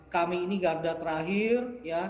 kami ini garda terakhir